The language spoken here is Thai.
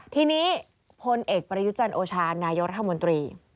ทีนี้พลเอกประยุจันทร์โอชานายกรัฐมนตรี